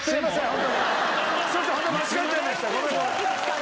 ホントに間違えちゃいましたごめん。